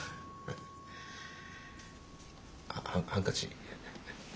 あっハンカチ。